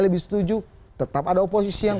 lebih setuju tetap ada oposisi yang